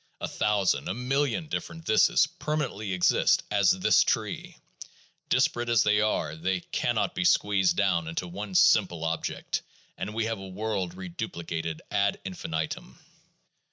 A thousand, a million different "thises" permanently exist as "this tree" ! Disparate as they are, they can not be squeezed down into one simple object, and we have a world reduplicated ad infinitum.